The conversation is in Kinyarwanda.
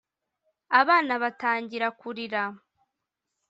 abana batangira kurira